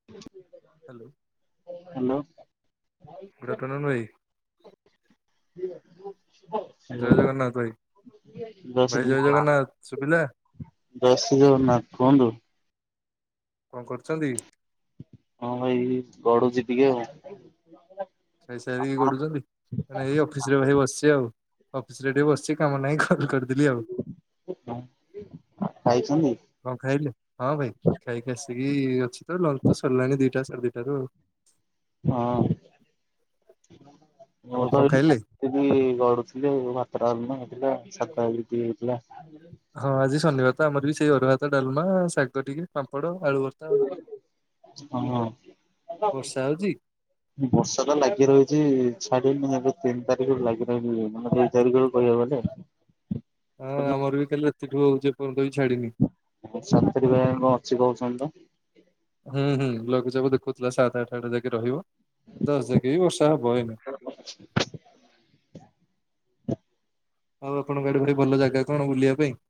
[unintelligible] Hello hello good afternoon ଭାଇ [unintelligible] ଜୟ ଜଗନ୍ନାଥ ଭାଇ ଭାଇ ଜୟ ଜଗନ୍ନାଥ ସୁଭିଲା। ଜୟ ଶ୍ରୀ ଜଗନ୍ନାଥ କୁହନ୍ତୁ। କଣ କରୁଛନ୍ତି? ହଁ ଭାଇ ଗଡୁଛି ଟିକେ ଆଉ। ଖାଇସାରିକି ଗଡୁଛନ୍ତି? ମାନେ ଏଇ ଅଫିସରେ ଭାଇ ବସିଛି ଆଉ ଅଫିସରେ ଟିକେ ବସିଛି କାମ ନାହିଁ କଲ କରିଦେଲି ଆଉ। ଖାଇଛନ୍ତି? କଣ ଖାଇଲେ ହଁ ଭାଇ ଖାଇକି ଆସିକି ଅଛି ତ ଲଞ୍ଚ ତ ସରିଲାଣି ଦିଟା ସାଢେ ଦିଟାରୁ ଆଉ। ହଁ କଣ ଆପଣ କଣ କହିଲେ? ଖାଇଲେ? ଏଠି ଗଡୁଥିଲେ ଭାତ ଡାଲମା ହେଇଥିଲା ସାଧା ହେଇଥିଲା। ହଁ ଆଜି ଶନିବାର ତ ଆମର ବି ସେଇ ଅରୁଆ ହାତ ଡାଲମା ଶାଗ ଟିକେ। ପାମ୍ପଡ଼ ଆଳୁଭର୍ତ୍ତା ଆଉ ହଁ। ବର୍ଷା ହଉଛି? ବର୍ଷା ଟା ଲାଗି ରହିଛି ଛାଡିନି ଏବେ ତିନି ତାରିଖରୁ ଲାଗି ରହିବି ମାନେ ତାରିଖରୁ କହିବାକୁ ଗଲେ। ହଁ ଆମର ବି କାଲି ରାତିଠୁ ହଉଛି ଏପର୍ଯ୍ୟନ୍ତ ବି ଛାଡିନି। ଆ ସାତ ତାରିଖ ଯାଏ ଅଛି କଣ କହୁଛନ୍ତି ତ। ହୁଁ ହୁଁ ଲଘୁଚାପ ଦେଖୁଥିଲା ସାତ ଆଠ ଯାକେ ରହିବ ଦଶ ଜାକେ ବି ବର୍ଷା ହବ ଏମ [unintelligible] ଆଉ ଆପଣଙ୍କ ଆଡେ ଭାରି ଭଲ ଜାଗା କଣ ବୁଲିବା ପାଇଁ?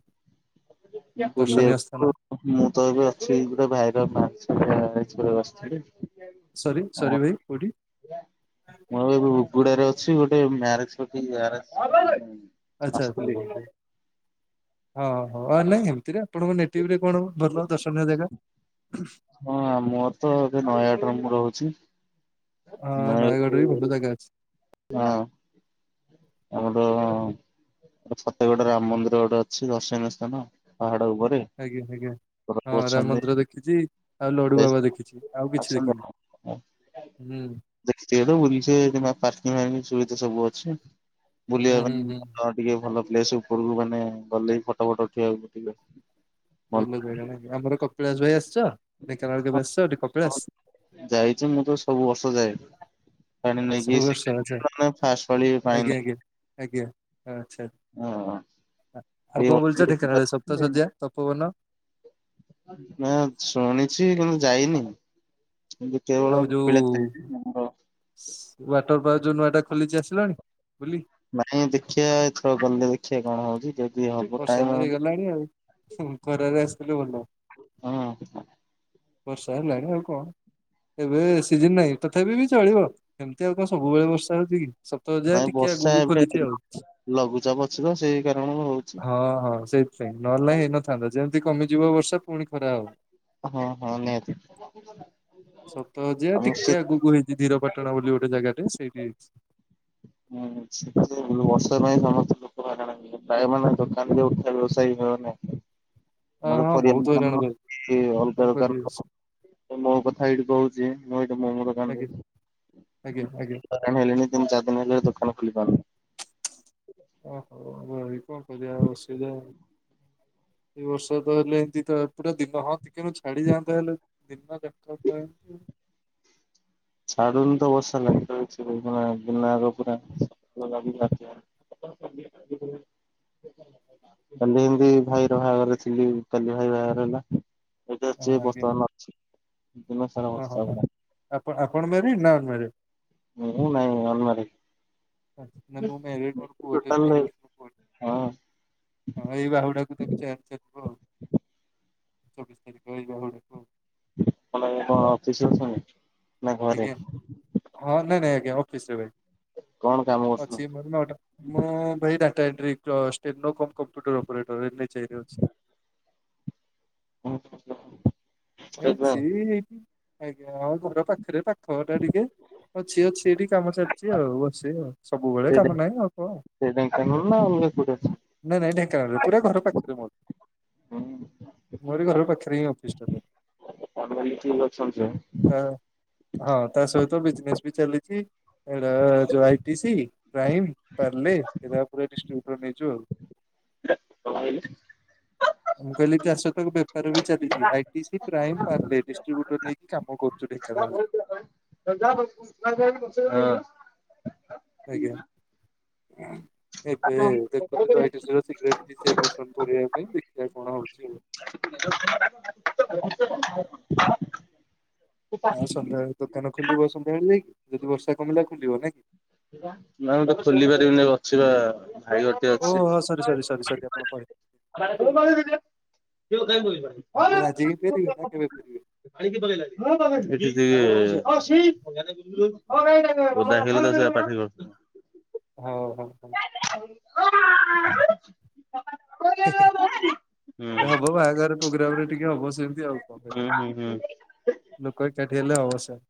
ଦର୍ଶନୀୟ ସ୍ଥାନ? ବୁଲିଆକୁ ମୁଁ ତ ଏବେ ଅଛି ଗୋଟେ ଭାଇର ମାସିକିଆ [unintelligible] ବସିଥିଲି। ସରି, ସରି ଭାଇ କୋଉଠି? ମୁଁ ଏବେ ହୁଗୁଡାରେ ଅଛି ଗୋଟେ ମ୍ୟାରେଜ [unintelligible] ମ୍ୟାରେଜ୍ ଆଚ୍ଛା ଆଚ୍ଛା ହଉ ହଉ। ହଁ, ହଁ, ହଁ ନାଇଁ ଏମିତିରେ ଆପଣଙ୍କ ନେଟିଭରେ କଣ ଭଲ ଦର୍ଶନୀୟ ଜାଗା? ହଁ ମୋର ତ ଏବେ ନୟାଗଡରେ ମୁଁ ରହୁଛି। ହଁ ନୟାଗଡ଼ରେ ବି ନୟାଗଡ଼ରୁ ଭଲ ଜାଗା ଅଛି। ହଁ ଆମର ଛତେ ଗୋଟେ ରାମ ମନ୍ଦିର ଗୋଟେ ଅଛି ଦର୍ଶନୀୟ ସ୍ଥାନ ପାହାଡ ଉପରେ। ଆଜ୍ଞା ଆଜ୍ଞା, ପ୍ରଭୁ ହଁ ରାମ ଅଛନ୍ତି ମନ୍ଦିର ଦେଖିଛି ଆଉ ଲଡୁବାବା ଦେଖିଛି ଆଉ କିଛି ଆସନ୍ତୁ ଦେଖିନି। ହୁଁ ଦେଖିଚି ହେଟୁ ବୁଲିଛେ କିମ୍ବା ପାର୍କିଂ ଫାର୍କିଂ ସୁବିଧା ସବୁ ଅଛି, ହୁଁ ବୁଲିବା ହୁଁ ପାଇଁ ହୁଁ। ଭଲ ଟିକେ ଭଲ ପ୍ଲେସ୍ ଉପରକୁ ମାନେ ଗଲେବି ଫଟୋ ଫଟ ଉଠେଇବାକୁ [unintelligible] ଭଲ ଜାଗା ନାଇଁ, ଆମର କପିଳାସ ଭାଇ ଆସିଛ ଢେଙ୍କାନାଳ କେବେ ଆସିଛ ଏଠି କପିଳାସ? ଯାଇଛି ମୁଁ ତ ସବୁ ବର୍ଷ ଯାଏ। ପାଣି ନେଇକି ସବୁ ବର୍ଷ ଆଚ୍ଛା [unintelligible] ଫାଷ୍ଟ ପାଳି ପାଣି ଆଜ୍ଞା ନେଇ ଆଜ୍ଞା ଆଜ୍ଞା, ଆଚ୍ଛା, ଆଉ କଣ ବୁୁଲିଛ ଢେଙ୍କାନାଳ ସବୁ? ଏଇ ତଶଯ୍ୟା ତପୋବନ ନାଁ ଶୁଣିଛି କିନ୍ତୁ ଯାଇନି। ଆଉ କେବଳ ପିଲା ଯୋଉ ଥାଆନ୍ତି [unintelligible] ୱାଟର ପାର୍କ ଯୋଉ ନୂଆଟା ଖୋଲିଛି ଆସିଲଣି ବୁଲି? ମାନେ ଦେଖିଆ ଏଥର ଗଲେ ଦେଖିବା କଣ ହଉଛି ଯ ବର୍ଷା ତ ହେଇଗଲାଣି ଆଉ, ହୁଁ ଖରାରେ ଆସିଥିଲେ ଭଲ। ହଁ ବର୍ଷା ହେଲାଣି ଆଉ କଣ ଏବେ ସିଜନ୍ ନାହିଁ ତଥାପି ବି ଚଳିବ। ଏମିତି ଆଉ କଣ ସବୁବେଳେ ବର୍ଷା ହଉଛି କି ସପ୍ତାହ ଯାଏ ଟିକେ ଆଗକୁ ଖୋଲିଛି ଆଉ। ଲଘୁଛାପ ଅଛି ତ ସେଇ କାରଣ ହଉ ହଁ ହଁ ସେଇଥିପାଇଁ, ନହେଲେ ନାହିଁ ହେଇନଥାନ୍ତା ଯେମିତି କମିଯିବ ବର୍ଷା ପୁଣି ଖରା ହବ। ହଁ ହଁ ନିହାତି ସତ ଯେ ଆଉ ସେ ଟିକେ ଆଗକୁ ହେଇଛି ଧୀର ପା ପାଟଣ ବୋଲି ଗୋଟେ ଜାଗାଟେ ସେଇଠି ହେଇଛି। ହୁଁ ସେଥି [unintelligible] ବର୍ଷା ପାଇଁ ସମସ୍ତେ ଲୋକ [unintelligible] ପ୍ରାୟ ମାନେ ଦୋକାନ ଯୋଉ ଉଠା ବ୍ୟବସାୟୀ ମାନେ ହଁ ହଁ ବହୁତ ହଇରାଣ ଭାଇ କଣ କରିବି [unintelligible] ମୋ କଥା ଏଇଠି କହୁଛି ମୁଁ ଏଇଠି ମୋମୋ ଦୋକାନ ଆଜ୍ଞା ଆଜ୍ଞା ଆଜ୍ଞା ଦେଇଛି। ହଇରାଣ ହେଲିଣି ତିିନ୍ ଚାରି ଦିନ୍ ହେଲା ଦୋକାନ ଖୋଲି ପାରୁନି। ଓହୋ ଭାଇ କଣ କରିବା ଆଉ ଅସୁବିଧା? ଏଇ ବର୍ଷା ତ ହେଲେ ଏମିତି ତ ପୁରା ଦିନ ହଁ ଟିକେନୁ ଛାଡିଯାଆନ୍ତା ହେଲେ? [unintelligible] ଛାଡୁନି ତ ବର୍ଷା ଲାଗି ରହିଛି, ମାନେ ବିନା ଆଗ ପୁରା [unintelligible] [unintelligible] କାଲି ଏମିତି ଭାଇର ବାହାଘରରେ ଥିଲି କାଲି ଭାଇ ବାହାଘର ହେଲା। ଏଇଟା ଅଛି ବସ୍ତା ନ ଅଛି [unintelligible] ଓ, ହଁ, ହଁ ପୁରା ଆପଣ ଆପଣ ମ୍ୟାରିଡ଼୍ ନା ଅନ୍ ମ୍ୟାରିଡ଼୍? ମୁଁ ନାଇଁ [unintelligible] ନା ମୁଁ ମ୍ୟାରେଡ଼। ମୋର ପୁଅ ଟେ ଟୋଟାଲ ଚାରି ନାଇଁ ବର୍ଷର ପୁଅଟେ। ହଁ ହଁ ଏଇ ବାହୁଡାକୁ ତାକୁ ଚାରିି ଚାଲିବ ଆଉ। ଚବିଶ ତାରିଖ ଏଇ ବାହୁଡ଼ାକୁ। [unintelligible] ଅଫିସ ଅଛନ୍ତି ନା ଘରେ? ଆଜ୍ଞା ହଁ ନାଇଁ ନାଇଁ ଆଜ୍ଞା ଅଫିସ ରେ କଣ କାମ ଭାଇ ଅଛି କରୁଛନ୍ତି? ମର ନଟା ମୁଁ ଭାଇ data entry [unintelligible] computer operator N H I ରେ ଅଛି। ହଁ ନା ସେ ଆଜ୍ଞା ଆଉ ଘର ପାଖରେ ପାଖ ଟା ଟିକେ ଅଛି ଅଛି ଟିକେ କାମ ଚାଲିଛି ଆଉ ବସ ଆଉ। ସବୁବେଳେ କାମ ନାହିଁ ଅଳ୍ପ ଆଉ। ସେ ଢେଙ୍କାନାଳ ନା ଅଲଗା କୋଉଠି ଅଛନ୍ତି? ନାଇଁ ନାଇଁ ଢୋଙ୍କାନାଳ ରେ ପୁରା ଘର ପାଖରେ ମୋର। ହୁଁ ମୋରି ଘର ପାଖରେ ହିଁ ଅଫିସ ଟା ଧର। କଣ କଲି ଠିକ ଅଛନ୍ତି ସେ। ତା ହଁ ତା ସହିତ ବିଜନେସ ବି ଚାଲିଚି। ଏଡା ଯୋଉ I T C prime Parle ଏଇରା ଉପରେ ଡିସଟିବୁଟର ନେଇଚୁ ଆଉ। କଣ କହିଲେ? ମୁଁ କହିଲି ଚାଷ ତ ବେପାର ବି ଚାଲିଛି I T C prime Parle distributor ନେଇକି କାମ କରଚୁ ନା ଢେଙ୍କାନାଳ ରେ। [unintelligible] ଆଜ୍ଞା। ଏବେ ଦେଖୁଥିଲୁ ମୁଁ [unintelligible] ସେ ପର୍ସ ପରିବା ପାଇଁ ଦେଖିବା କଣ ହଉଚି। ହଁ ସନ୍ଧ୍ୟାବେଳେ ଦୋକାନ ଖୋଲିବ ସନ୍ଧ୍ୟାବେଳେ ଯାଇକି ଯଦି ବର୍ଷା କମିଲା ଖୋଲିବ ନା କି। ନା ମୁଁ ତ ଖୋଲି ପାରିବିନି ଅଛି ଓ ହଁ ସରି ସରି ସରି ସରି ଆପଣ ପା କହିଲେ। ଆପଣ ଆଜି ହିଁ ଫେରିବେ ନା କେବେ ଫେରିବେ? [unintelligible] [inaudible] [inaudible] [inaudible] ହଉ ହଉ ହଉ। [inaudible] ହବ ବାହାଘର ପ୍ରୋଗ୍ରାମ ରେ ଟିକେ ହବ ସେମିତି ଆଉ କଣ। ଲୋକ ଏକାଠି ହେଲେ ହବ [unintelligible]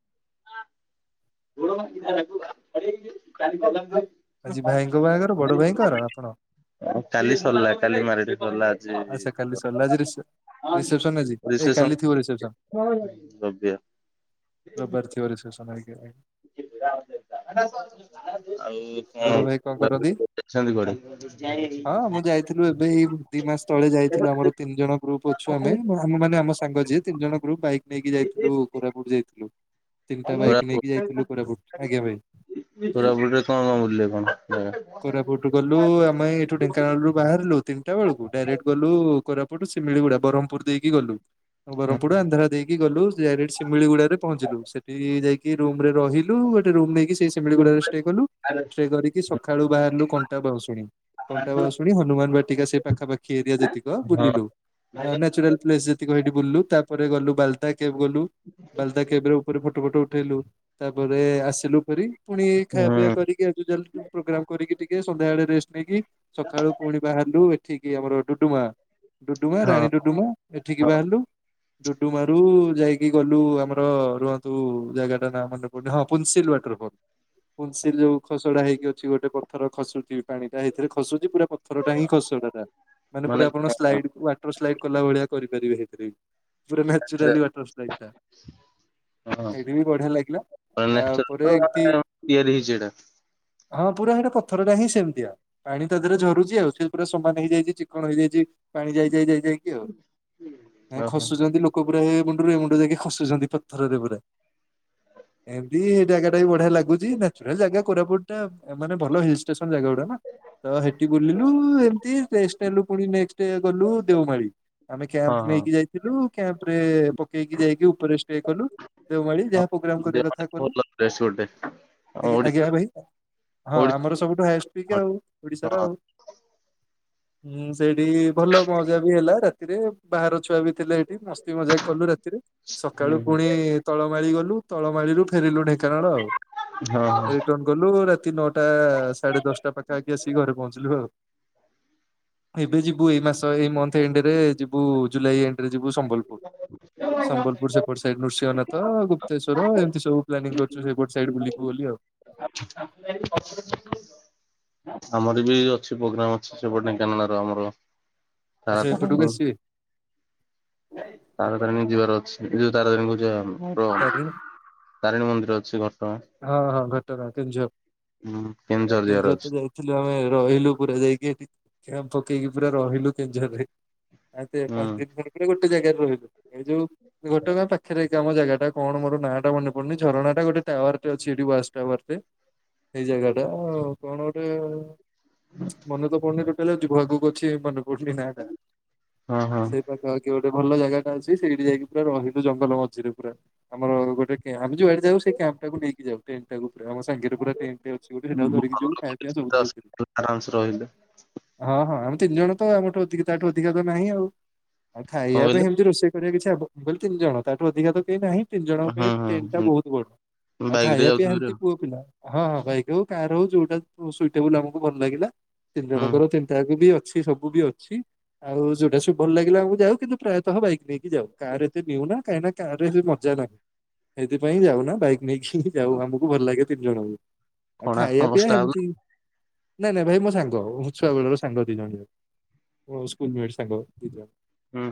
[inaudible] ଆଜି ଭାଇଙ୍କ ବାଘର ବଡ ଭାଇଙ୍କର ଆପଣ? କାଲି ସରିଲା କାଲି ମ୍ୟାରେଡ଼ ସରିଲା ଆଜି ଆଚ୍ଛା କାଲି ସରିଲା ଆଜି ରିସେ ରିସେପସନ ଆଜି ଏ ରିସେପସନ କାଲି ଥିବ ରିସେପ୍ସନ ଦ୍ରବ୍ୟ ଆଉ ରବାର ଥିବ ରିସେପସନ [unintelligible] ଆଉ ବଡ ଭାଇ କଣ କରନ୍ତି? [unintelligible] କୁଆଡେ? ଥିଲୁ ଏବେ ଏଇ ଦି ମାସ ତଳେ ଯାଇଥିଲୁ କୋରାପୁଟ ଆମର ତିନି ଜଣ ଗ୍ରୁପ ଅଛୁ ଆମେ ଆମ ମାନ ଆମ ସାଙ୍ଗ ଯିଏ ତିନି ଜଣ ଗ୍ରୁପ ବାଇକ୍ ନେଇକି ଯାଇଥିଲୁ କୋରାପୁଟ ଯାଇଥିଲୁ ତିନିଟା ବାଇକ ନେଇକି ଯାଇଥିଲୁ କୋରାପୁଟ ଆଜ୍ଞା ଭାଇ। କୋରାପୁଟରେ କଣ କଣ ବୁଲିଲେ କଣ? ହୁଁ କୋରାପୁଟରୁ ଗଲୁ ଆମେ ଏଇଠୁ ଢେଙ୍କାନାଳରୁୁ ବାହାରିଲୁ ତିନିଟା ବେଳକୁ ଡାଇରେକ୍ଟ ଗଲୁ କୋରା ଏପଟୁ ସେ ସିମିଳିଗୁଡା ବହ୍ମପୁର ଦେଇକି ଗଲୁ। ଆଉ ବରହ୍ମପୁଡୁ ଆନ୍ଧ୍ରା ଦେଇକି ଗଲୁ ଡାଇରେକ୍ଟ ଶିମିଳି ଗୁଡାରେରେ ପହଞ୍ଚିଲୁ ସେଠି ଯାଇ କି ରୁମରେ ରହିଲୁ ଗୋଟେ ରୁମ ନେଇକି ସେ ସିମିଳିଗୁଡାରେ ଷ୍ଟେ କଲୁ। ଧରିକି ସଖାଳୁ ବାହାରିଲୁ କଣ୍ଟାବାହୁଶୁଣୀ କଣ୍ଟା ବାହୁ ଶୁଣି ହନୁମାନ ବାଟିକା ସେ ପାଖାପାଖି ଏରିଆ ଯେତିକ ହଁ ବୁଲିଲୁ। ଆ ନାଚୁରାଲ ପ୍ଲେସ୍ ଯେତିକ ହେଇଠି ବୁଲଲୁ ତାପରେ ଗଲୁ ବାଲ ଦାକେଭ ଗଲୁ ବାଲଦାକେଭ ରେ ଉପରେ ଫଟୋ ଫୋଟ ଉଠେଇଲୁ ତାପରେ ଆସିଲୁ ଫେରି। ପୁଣି ଖାଇବା ହୁଁ ପିଇବା କରିକି ହେଠୁ ଚାଲଲୁଟିକେ ପ୍ରୋଗ୍ରାମ କରିକି ଟିକେ ସନ୍ଧ୍ୟାବେଳେ ରେଷ୍ଟ ନେଇକି। ସଖାଳୁ ପୁଣି ବାହାରିଲୁ ଏଠିକି ଆମର ଡୁଡୁମା ଡୁଡୁମା ହଁ ରାଣୀ ଡୁଡୁମା। ଏଠିକି ହଁ ବାହାରିଲୁ। ଡୁଡୁମାରୁ ଯାଇକି ଗଲୁ ଆମର ରୁହନ୍ତୁ ଜାଗାଟା ନା ମନେ ପଡୁ ହଁ ପୁନ୍ସିଲ ୱାଟରଫଲ ପୁନ୍ସିଲ ଯୋଉ। ଖସଡା ହେଇକି ଅଛି ଗୋଟେ ପଥର ଖସୁଚି ପାଣିଟା ହେଇଥିରେ ଖସୁଚି ପୁରା ପଥରଟା ହିଁ ଖସଡାଟା। ମାନେ ପୁରା ଆପଣ ସ୍ଲାଇଡ୍ ୱାଟର ସ୍ଲାଇଡ କଲା ଭଳିଆ କରିପାରିବେ ହେଥିରେ ବି ପୁରା ନା ଚୁରାଲି ୱାଟର ସ୍ଲାଇଡ଼ ଟା। ହେଇଠେ ବି ବଢିଆ ଲାଗିଲା ତା ପରେ ଏମତି। ତିଆରି ହେଇଚି ହେଟା। ହଁ ପୁରା ହେଟା ପଥରଟା ହିଁ ସେମତିଆ ପାଣି ତା ଦେହରେ ଝରୁଛି ଆଉ ସେ ପୁରା ସମାନ ହେଇଯାଇଛି ଚିକଣ ହେଇଯାଇଛି। ପାଣି ଯାଇ ଯାଇ ଯାଇ ଯାଇକି ଆଉ ଏଁ ଓହୋ ଖସୁଚନ୍ତି ଲୋ କୋ ପୁରା ଏ ମୁଣ୍ଡରୁ ଏମୁଣ୍ଡ ଯାଇକି ଖସୁଛନ୍ତି ପଥରରେ ପୁରା। ଏମବି ହେ ଜାଗାଟା ବି ବଢିଆ ଲାଗୁଚି ନାଚୁରାଲ ଜାଗା। କୋରାପୁଟଟା ମାନେ ଭଲ ହିଲଷ୍ଟେସନ ଜାଗାଗୁଡା ନା। ତ ହେଠି ବୁଲିଲୁ ଏମତି ରେଷ୍ଟ ନେଲୁ ପୁଣି ନେଷ୍ଟେ ଗଲୁ ଦେଓମାଳି। ଆମେ ହଁ କ୍ୟାମ୍ପ ହଁ ନେଇକି ଯାଇଥିଲୁ କ୍ୟାମ୍ପରେ ପକେଇକି ଯାଇକି ଉପରେ ଷ୍ଟେ କଲୁ। ଦେଓମାଳି ଯାହା ପ୍ରୋଗ୍ରାମ କରିବା କଥା କଲୁ। ପ୍ରେସ ଗୋଟେ ଅଁ କିଆ ଭାଇ ହଁ ଆମର ସବୁଠୁ ହଏଷ୍ଟ ପିକ ହଁ। ଆଉ ଓଡିଶାର ଆଉ। ହୁଁ ସେଇଠି ଭଲ ମଜା ବି ହେଲା ରାତିରେ ବାହାର ଛୁଆ ବି ଥିଲେ ହେଇଠି ମସ୍ତି ମଜାକ କଲୁ ରାତିରେ। ସକାଳୁ ହୁଁ ହୁଁ ପୁଣି ତଳମାଳି ଗଲୁ ତଳମାଳିରୁୁ ଫେରିଲୁ ଢେଙ୍କାନାଳ ଆଉ। ହଁ ହଁ। ଟର୍ନ କଲୁ ରାତି ନଅଟା ସାଢେଦଶଟା ପାଖାପାଖି ଆସିିକି ଘରେ ପହଞ୍ଚିଲୁ ଆଉ। ଏବେ ଯିବୁ ଏଇମାସ ଏଇ ମନ୍ଥ ଏଣ୍ଡେରେ ଯିବୁ ଜୁଲାଇ ଏଣ୍ଡ ରେ ଯିବୁ ସମ୍ବଲ ପୁର ସମ୍ବଲପୁର ସେ ଗୋଟେ ସାଇଡ ନୃସିଂହନାଥ ଗୁପ୍ତେଶ୍ୱର ଏମତି ସବୁ ପ୍ଲାନିଙ୍ଗ କରୁଛୁ ସେଇପଟ ସାଇଡ ବୁଲିବୁ ବୋଲି ଆଉ। [unintelligible] ଆମର ବି ଅଛି ପ୍ରୋଗ୍ରାମ ଅଛି ସେପଟ ଢେଙ୍କାନାଳର ଆମର ଆଚ୍ଛା ତାର ଏପଟକୁ ତାରିଣୀ କୁ। ଆସିବେ ତାରା ତାରିଣୀ ଯିବାର ଅଛି ଯୋଉ ତାରା ତାରିଣୀ କହୁଛି ଆମର। ତାରେଣି? ତାରେଣୀ ମନ୍ଦିର ଅଛି ଘଟଗାଁ। ହଁ ହଁ ଘଟଗାଁ କେନ୍ଦୁଝର। ହୁଁ କେଉଁଝର ଯିବାର ଅଛି। ଥିଲୁ ଆମେ ରହିଲୁ ପୁରା ଯାଇକି ହେଠି କ୍ୟାମ୍ପ ପକେଇକି ପୁରା ରହିଲୁ କେଉଁଝରରେ। ଆ ତେ ହୁଁ ପାଞ୍ଚଦିନ ଖଣ୍ଡେ ପୁରା ଗୋଟେ ଜାଗାରେ ରହିଲୁ। ଏଇ ଯୋଉ ଘଟଗାଁ ପାଖେରେ ହେଇକି ଆମ ଜାଗାଟା କଣ ମୋର ନାଁ ଟା ମନେପଡୁନି ଝରଣା ଟା ଗୋଟେ ଟାୱାର। ଅଛି ଏଠି [unintelligible] ଟାୱାରଟେ ସହେଇ ଜାଗାଟା କଣ ଗୋଟେ। ମନେ ତ ପଡୁନି ଗୋଟେ ହେଲେ ଜିଭ ଆଗୁକୁ ଅଛି ମନେ। [unintelligible] ହଁ ହଁ। ସେଠି ଗୋଟେ ଭଲ ଜାଗାଟା ଅଛି ସେଇଠି ଯାଇକି ପୁରା ରହୁ ଜଙ୍ଗଲ ମଝିରେ ପୁରା ଆମର ଗୋଟେ କେ ଯୋଉଆଡେ ଯାଉ ସେ କ୍ୟାମ୍ପ ଟାକୁ ନେଇକି ଯାଉ। [unintelligible] ବାସ୍ ରହିଲୁ। ହଁ ହଁ ଆମେ ତିନି ଜଣ ତ ଆମଠୁ ଅଧିକ ତାଠୁ ଅଧିକା ତ ନାହିଁ ଆଉ। ଆଉ କଣ ଖାଇବା ପାଇଁ କହିଲେ? ହେମିତି ରୋଷେଇ କରିବା କିଛି ଆବ ବୋଲି ତିନି ଜଣ ତାଠୁ ଅଧିକା ତ କେହି ନାହିଁ। ତିନି ଜଣଙ୍କ ପାଇଁ ଟେଣ୍ଟ ଟା ହୁଁ ବହୁତ ବଡ ହୁଁ ଆଉ ବାଇକ ରେ ଖାଇବା ପି ଯାଉଥିବେ ଭାରି ଏମିତି ପୁଅ ପିଲା। ହଁ ହଁ ବାଇକ୍ ହଉ କାର ହଉ ଯୋଉଟା ସୁଟେବୁଲ ଆମକୁ ଭଲ ଲାଗିଲା ତିନି ଆଉ ହୁଁ ଜଣଙ୍କର ତିନିଟାକୁ ବି ଅ ଛି ସବୁ ବି ଅଛି ଆଉ ଯୋଉଟା ସବୁ ଭଲ ଲାଗିଲା ଆମକୁ ଯାଉ କିନ୍ତୁ ପ୍ରାୟତଃ ବାଇକ ନେଇକି ଯାଉ କାର ଏତେ ନିଉନା କାହିଁକି ନା କାରରେ ମଜା ନାହିଁ ସେଇଥିପାଇଁ ଯାଉା ବାଇ ନେଇକି ଯାଉ ଆମକୁ ଭଲ ଲାଗେ ତିନି ଜଣଙ୍କୁ। ଆଉ କଣ ଖାଇବା ଆପଣଙ୍କ ପିଇବା ଷ୍ଟାଫ ନା ଏମିତି ନାଇଁ ନାଇଁ ଭାଇ ମୋ ସାଙ୍ଗ ଛୁଆ ବେଳର ସାଙ୍ଗ ଦି ଜଣ ଯାକ ମୋ ସ୍କୁଲ ମେଣ୍ଟସ୍। ସାଙ୍ଗ ଦିଜଣ ହୁଁ।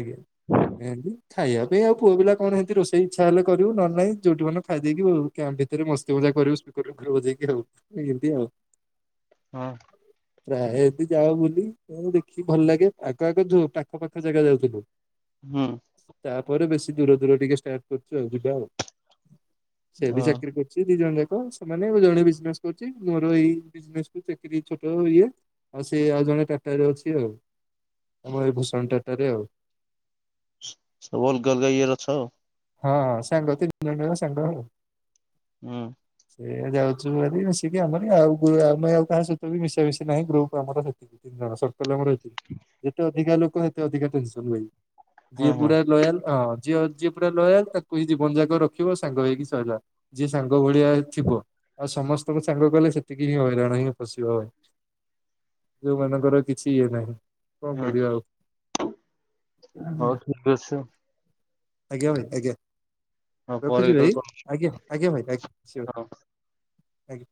ଆଜ୍ଞା ଏତି ଖାଇବା ପାଇଁ ଆଉ ପୁଅ ପିଲା କଣ ହେମିତି ରୋଷେଇ ଇଚ୍ଛା ହେଲେ କରିବୁ ନହେ [unintelligible] [inaudible] ହଁ ପ୍ରାୟ ଏତେ ଯାଅ ବୁଲି ମୁଁଦେଖିକି ଭଲ ଲାଗେ ଆଗ ଆଗ ପାଖ ପାାଖ ଜାଗା [unintelligible] ହୁଁ ତାପରେ ବେଶୀ ଦୂର ଦୂର ଟିକେ ଷ୍ଟାର୍ଟ କରୁଛୁ ଆଉ ଯିବା ଆଉ। ସେ ଅ ବି ଚାକିରି କରୁ ଦି ଜଣ ଯାକ ସେମାନେ ଜଣ ବିଜନେସ କରୁଚି ମୋର ଏଇନେ କୁ ଚାକିରି ଛୋଟ ଇଏ। ଆଉ ସେ ଆଉ ଜଣେ ଟାଟାରେ ଅଛି ଆଉ ଆମର ଏଇ ଭୂଷଣ ଟାଟା ରେ ଆଉ। ସବୁ ଅଲଗା ଅଲଗା ଇଏ ରେ ଅଛ। ହଁ ସାଙ୍ଗ ଥିଲୁ ତିନି ଜଣ ଯାକ ସାଙ୍ଗ। ହୁଁ ସେ ଯାଉଛୁ ଭାରି ମିଶିକି ଆମର ଆଉ ଆମେ ଆଉ କାହା ସହିତ ବି ମିଶାମିଶି ନାହିଁ ଗ୍ରୁପ୍ ଆମର ସେତିକି। ତି ଜଣ ସର୍କଲ୍ ଆମର ଏତିକି ଯେତେ ଅଧିକା ଲୋକ ସେତେ ଅଧିକା ଟେନ୍ସନ୍ ହୋଇ। ହଁ ଯିଏ ହଁ ପୁରା ଲୟାଲ ହଁ ଯିଅ ଯିଏ ପୁରା ଲୟାଲ ତାକୁ ହି ଜୀବନ ଯାକ ରଖିବ ସାଙ୍ଗ ହେଇକି ସଇଲା। ଯିଏ ସାଙ୍ଗ ଭଳିଆ ଥିବ ଆଉ ସମସ୍ତଙ୍କ ସାଙ୍ଗ କଲେ ସେତିକି ହିଁ ହଇରାଣ ହିଁ ଫସିବ ଭାଇ। ଯୋଉମାନଙ୍କର କିଛି ଇଏ ନାହିଁ। କଣ ହୁଁ। କରିବା ଆଉ। ହଉ ଠିକ ଅଛି ଆଜ୍ଞା ଭାଇ ଆଜ୍ଞା। ଆଉ ପରେ ରଖୁଛି କେତେବେଳେ ଭାଇ କଥା ଆଜ୍ଞା ଆଜ୍ଞା ଭାଇ ଆଜ୍ଞା ସିଓର ହବା। ଆଜ୍ଞା।